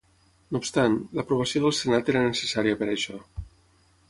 No obstant, l'aprovació del senat era necessària per això.